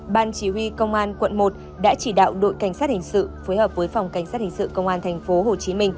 ban chỉ huy công an quận một đã chỉ đạo đội cảnh sát hình sự phối hợp với phòng cảnh sát hình sự công an tp hcm